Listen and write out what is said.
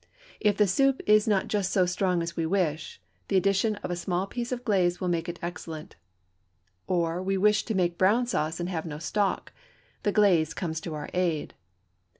If the soup is not just so strong as we wish, the addition of a small piece of glaze will make it excellent; or we wish to make brown sauce, and have no stock, the glaze comes to our aid.